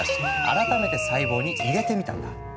改めて細胞に入れてみたんだ。